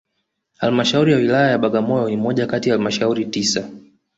Halmashauri ya Wilaya ya Bagamoyo ni moja kati ya halmashuri tisa